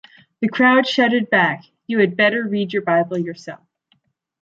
The crowd shouted back: You had better read your Bible yourself.